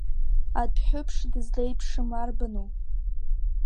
Адәҳәыԥш дызлеиԥшым арбану?